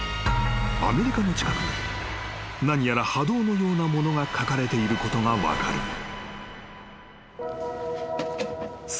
［アメリカの近くに何やら波動のようなものが描かれていることが分かる］